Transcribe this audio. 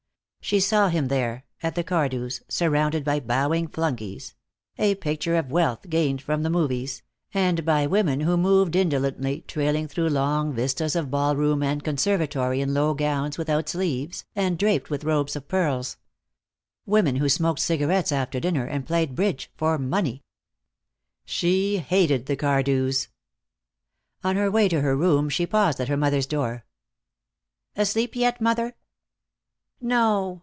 She saw him there, at the Cardews, surrounded by bowing flunkies a picture of wealth gained from the movies and by women who moved indolently, trailing through long vistas of ball room and conservatory in low gowns without sleeves, and draped with ropes of pearls. Women who smoked cigarettes after dinner and played bridge for money. She hated the Cardews. On her way to her room she paused at her mother's door. "Asleep yet, mother?" "No.